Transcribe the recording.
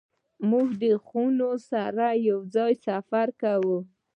موټر د خونو سره یو ځای سفر کوي.